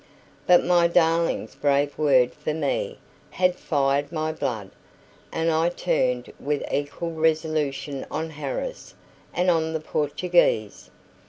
But my darling's brave word for me had fired my blood, and I turned with equal resolution on Harris and on the Portuguese.